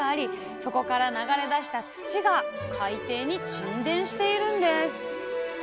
そこから流れ出した土が海底に沈澱しているんです。